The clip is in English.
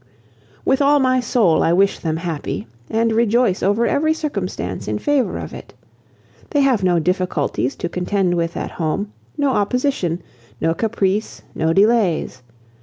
With all my soul I wish them happy, and rejoice over every circumstance in favour of it. They have no difficulties to contend with at home, no opposition, no caprice, no delays.